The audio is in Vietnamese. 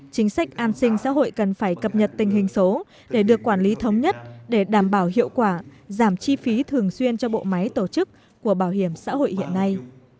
chính sách an sinh xã hội cần phải cập nhật tình hình số để được quản lý thống nhất để đảm bảo hiệu quả giảm chi phí thường xuyên cho bộ máy tổ chức của bảo hiểm xã hội hiện nay